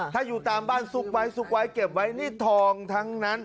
ถ้าอยู่ตามบ้านซุกไว้ซุกไว้เก็บไว้นี่ทองทั้งนั้น